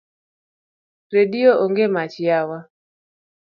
Redio onge mach yawa.